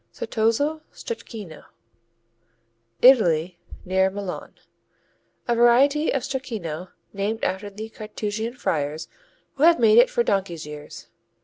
Certoso Stracchino Italy, near Milan A variety of Stracchino named after the Carthusian friars who have made it for donkey's years.